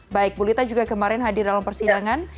baik bulita juga kemarin hadir dalam persidangan